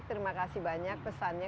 terima kasih banyak pesannya